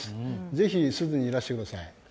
ぜひ珠洲にいらしてください。